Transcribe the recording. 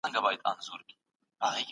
موږ باید د څېړونکو هڅي په ښه توګه وستایو.